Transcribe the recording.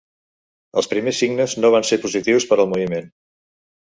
Els primers signes no van ser positius per al moviment.